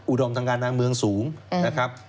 อุดมทำงานทางเมืองสูงนะครับ